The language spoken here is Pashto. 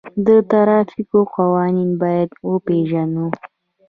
د ترافیکو قوانین باید وپیژنو.